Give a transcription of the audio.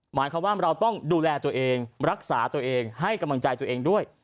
หมายความว่าเราต้องดูแลตัวเองรักษาตัวเองให้กำลังใจตัวเองด้วย